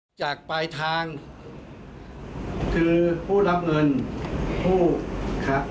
จากปลายทางคือผู้รับเงินผู้ครับ